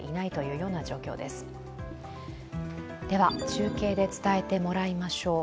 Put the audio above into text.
中継で伝えてもらいましょう。